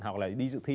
hoặc là đi dự thi